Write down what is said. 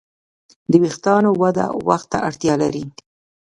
د وېښتیانو وده وخت ته اړتیا لري.